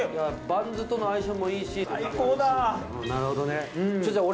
バンズとの相性もいいし最高だ。